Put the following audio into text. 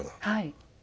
はい。